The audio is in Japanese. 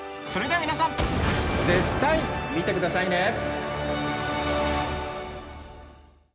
それでは皆さん絶対見てくださいね！